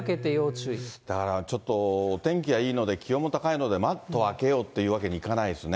だからちょっと、お天気がいいので、気温も高いので、窓開けようってわけにはいかないですね。